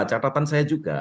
catatan saya juga